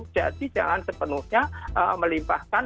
jangan sepenuhnya melimpahkan